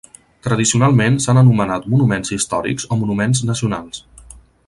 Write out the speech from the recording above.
Tradicionalment s'han anomenat monuments històrics o monuments nacionals.